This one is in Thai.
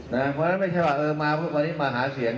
เพราะฉะนั้นไม่ใช่ว่ามาวันนี้มาหาเสียง